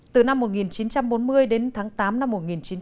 từ năm một nghìn chín trăm bốn mươi đến tháng tám năm một nghìn chín trăm bốn mươi